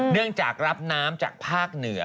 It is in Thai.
เนื่องจากรับน้ำจากภาคเหนือ